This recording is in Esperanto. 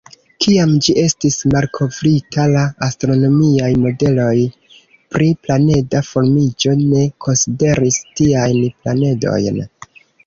Kiam ĝi estis malkovrita, la astronomiaj modeloj pri planeda formiĝo ne konsideris tiajn planedojn.